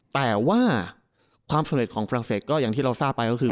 แต่ว่าความสำเร็จของฝรั่งเศสก็อย่างที่เราทราบไปก็คือ